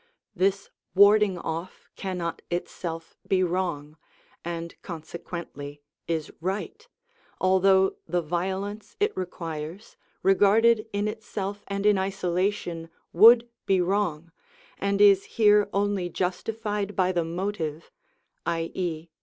This warding off cannot itself be wrong, and consequently is right, although the violence it requires, regarded in itself and in isolation, would be wrong, and is here only justified by the motive, _i.e.